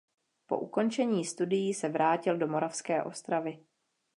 Po ukončení studií se vrátil do Moravské Ostravy.